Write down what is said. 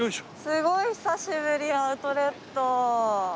すごい久しぶりアウトレット。